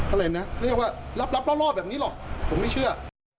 อะไรนะเรียกว่ารับรอบแบบนี้หรอกผมไม่เชื่อ